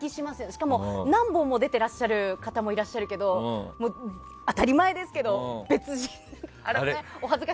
しかも何本も出てらっしゃる方もいらっしゃるけど当たり前ですけど別人というか。